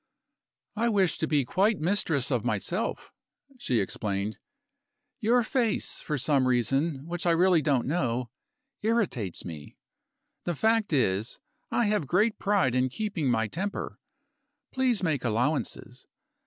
"I wish to be quite mistress of myself," she explained; "your face, for some reason which I really don't know, irritates me. The fact is, I have great pride in keeping my temper. Please make allowances.